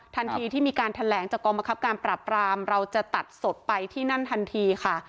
ทันทีที่มีการแถลงจากกองบังคับการปราบรามเราจะตัดสดไปที่นั่นทันทีค่ะ